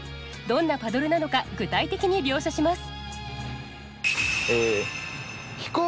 どんなパドルなのか具体的に描写します。